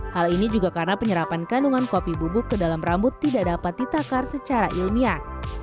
hal ini juga karena penyerapan kandungan kopi bubuk ke dalam rambut tidak dapat ditakar secara ilmiah